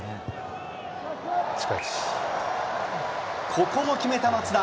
ここも決めた松田。